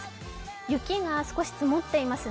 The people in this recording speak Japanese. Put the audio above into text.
雪が少し積もっていますね。